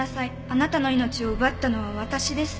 「あなたの命を奪ったのは私です」